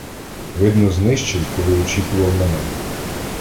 Видно, знищив, коли очікував на мене.